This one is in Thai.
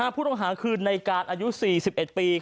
ผู้ต้องหาคือในการอายุ๔๑ปี